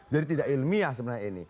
jadi tidak ilmiah sebenarnya ini